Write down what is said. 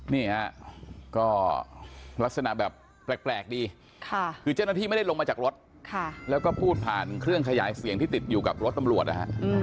นี่ฮะก็ลักษณะแบบแปลกดีคือเจ้าหน้าที่ไม่ได้ลงมาจากรถแล้วก็พูดผ่านเครื่องขยายเสียงที่ติดอยู่กับรถตำรวจนะฮะ